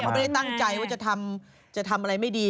เขาไม่ได้ตั้งใจว่าจะทำอะไรไม่ดี